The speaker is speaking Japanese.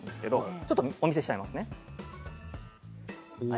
ちょっとお見せしますね。